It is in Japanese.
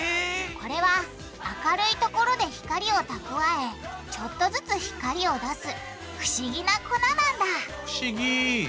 これは明るいところで光を蓄えちょっとずつ光を出す不思議な粉なんだ不思議！